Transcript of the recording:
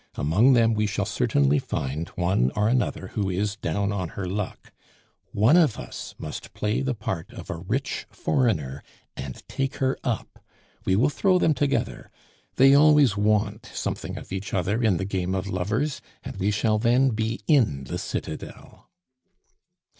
Among them we shall certainly find one or another who is down on her luck; one of us must play the part of a rich foreigner and take her up. We will throw them together. They always want something of each other in the game of lovers, and we shall then be in the citadel."